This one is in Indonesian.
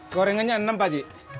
gorengannya enam pak